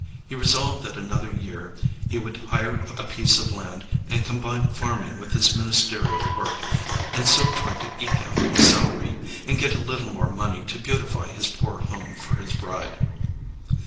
He resolved that another year he would hire a piece of land, and combine farming with his ministerial work, and so try to eke out his salary, and get a little more money to beautify his poor home for his bride.